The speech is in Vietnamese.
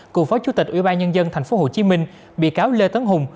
cựu phó chủ tịch ủy ban nhân dân tp hcm bị cáo lê tấn hùng